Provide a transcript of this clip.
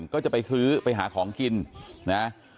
ก็จะไปซื้อไปหาของกินนะ